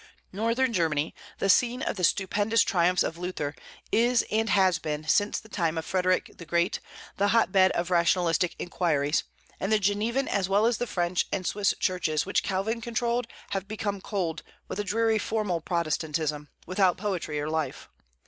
Northern Germany the scene of the stupendous triumphs of Luther is and has been, since the time of Frederick the Great, the hot bed of rationalistic inquiries; and the Genevan as well as the French and Swiss churches which Calvin controlled have become cold, with a dreary and formal Protestantism, without poetry or life.